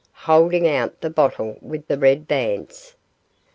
holding out the bottle with the red bands.